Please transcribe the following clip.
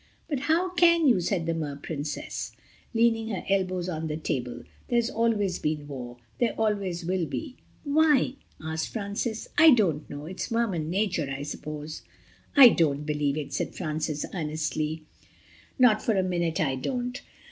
"But how can you," said the Mer Princess, leaning her elbows on the table, "there's always been war; there always will be." "Why?" asked Francis. "I don't know; it's Merman nature, I suppose." "I don't believe it," said Francis earnestly, "not for a minute I don't.